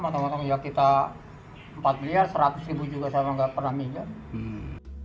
ngerasa kita empat miliar seratus ribu juga saya nggak pernah minjam